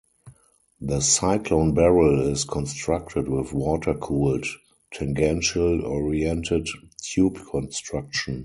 The cyclone barrel is constructed with water cooled, tangential oriented, tube construction.